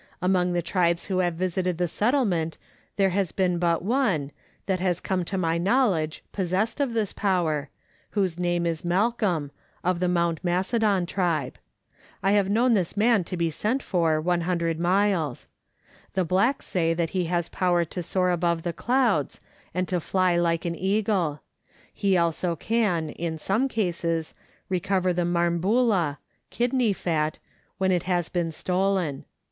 Among the tribes who have visited the settlement there has been but one, that has come to my knowledge, possessed of this power, whose name is Malcolm, of the Mount Macedon tribe. I have known this man to be sent for 100 miles. The blacks say that he has power to soar above the clouds, and to fly like an eagle ; he also can, in some cases, recover the marmbula (kidney fat) when it has been stolen.